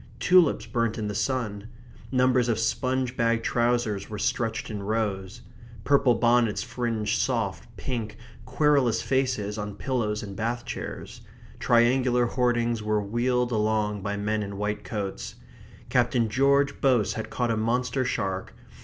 Tulips burnt in the sun. Numbers of sponge bag trousers were stretched in rows. Purple bonnets fringed soft, pink, querulous faces on pillows in bath chairs. Triangular hoardings were wheeled along by men in white coats. Captain George Boase had caught a monster shark.